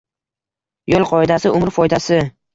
Yo‘l qoidasi – umr foydasing